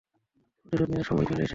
প্রতিশোধ নেওয়ার সময় চলে এসেছে।